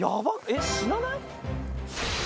えっ死なない？